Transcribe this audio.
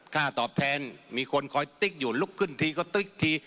ค่าตอบแทนมีคนคอยติ๊กอยู่ลุกขึ้นทีก็ติ๊กที